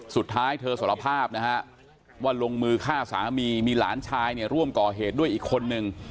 สุดท้ายเธอสารภาพนะฮะว่าลงมือฆ่าสามีมีหลานชายเนี่ยร่วมก่อเหตุด้วยอีกคนนึง